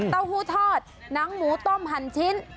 เตาหู้ทอดน้ำหมูต้มหั่นชิ้น